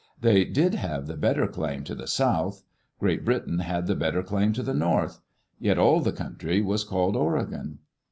They did have the better claim to the south; Great Britain had the better claim to the north. Yet all the country was called Oregon.